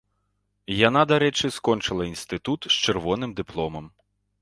Яна, дарэчы, скончыла інстытут з чырвоным дыпломам.